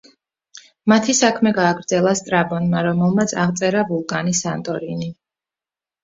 მათი საქმე გააგრძელა სტრაბონმა, რომელმაც აღწერა ვულკანი სანტორინი.